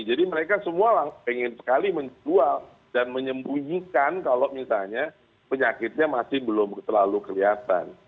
jadi mereka semua pengen sekali menjual dan menyembunyikan kalau misalnya penyakitnya masih belum terlalu kelihatan